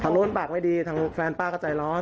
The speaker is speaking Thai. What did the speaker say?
นู้นปากไม่ดีทางแฟนป้าก็ใจร้อน